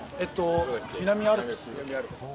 南アルプス。